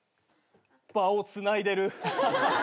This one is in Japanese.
場をつないでる。